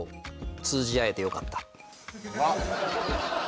「通じ合えてよかった！」